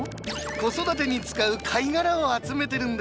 子育てに使う貝殻を集めてるんです。